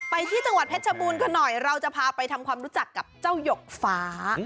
ไปที่จังหวัดเพชรบูรณ์กันหน่อยเราจะพาไปทำความรู้จักกับเจ้าหยกฟ้า